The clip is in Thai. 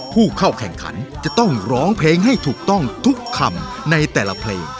ผู้เข้าแข่งขันจะต้องร้องเพลงให้ถูกต้องทุกคำในแต่ละเพลง